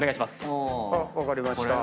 あっ分かりました。